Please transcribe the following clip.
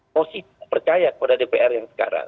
pasti tidak percaya kepada dpr yang sekarang